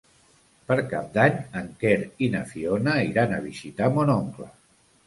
Per Cap d'Any en Quer i na Fiona iran a visitar mon oncle.